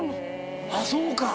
あっそうか。